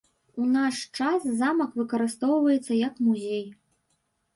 У наш час замак выкарыстоўваецца як музей.